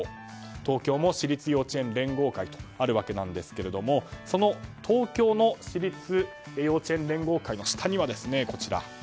東京も私立幼稚園連合会とあるわけですがその東京の私立幼稚園連合会の下にはこちら。